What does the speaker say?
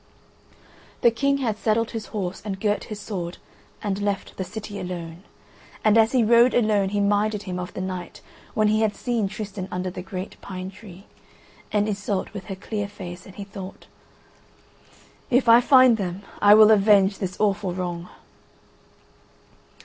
The King had saddled his horse and girt his sword and left the city alone, and as he rode alone he minded him of the night when he had seen Tristan under the great pine tree, and Iseult with her clear face, and he thought: "If I find them I will avenge this awful wrong."